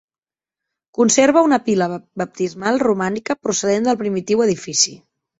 Conserva una pila baptismal romànica procedent del primitiu edifici.